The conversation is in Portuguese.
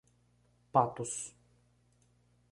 Patos